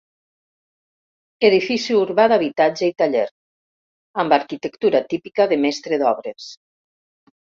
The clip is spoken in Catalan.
Edifici urbà d'habitatge i taller; amb arquitectura típica de mestre d'obres.